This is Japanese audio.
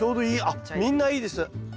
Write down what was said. あっみんないいです。